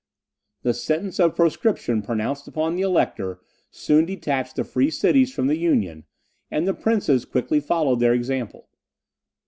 The sentence of proscription pronounced upon the Elector soon detached the free cities from the Union; and the princes quickly followed their example.